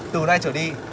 từ nay trở đi